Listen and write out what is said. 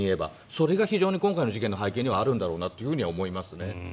それが今回の事件の背景にあるんだろうなと思いますね。